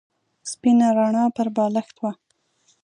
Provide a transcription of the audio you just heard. سپینه رڼا پر بالښت وه.